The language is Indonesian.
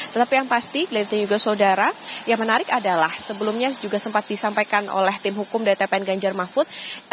tetapi yang pasti clear dan juga saudara yang menarik adalah sebelumnya juga sempat disampaikan oleh tim hukum dari tpn ganjar mahfud